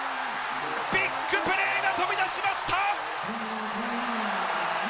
ビッグプレーが飛び出しました。